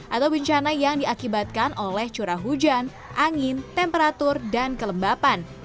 atau bencana yang diakibatkan oleh curah hujan angin temperatur dan kelembapan